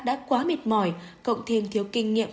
đã quá mệt mỏi cộng thêm thiếu kinh nghiệm